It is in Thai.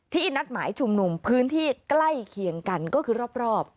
นัดหมายชุมนุมพื้นที่ใกล้เคียงกันก็คือรอบ